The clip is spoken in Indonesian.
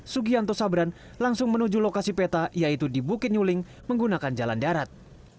sugianto sabran langsung menuju lokasi peta yaitu di bukit nyuling menggunakan jalan darat